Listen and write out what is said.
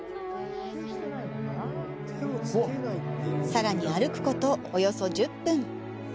さらに歩くこと、およそ１０分。